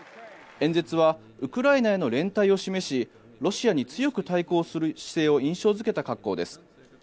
演説はウクライナへの連帯を示しロシアに強く対抗する姿勢を印象付けた格好です。